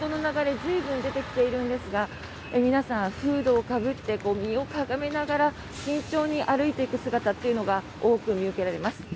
随分、出てきているんですが皆さんフードをかぶって身をかがめながら慎重に歩いていく姿というのが多く見受けられます。